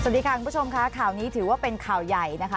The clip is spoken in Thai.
สวัสดีค่ะคุณผู้ชมค่ะข่าวนี้ถือว่าเป็นข่าวใหญ่นะคะ